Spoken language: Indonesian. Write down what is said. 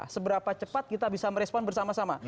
seberapa cepat kita bisa merespon bersama sama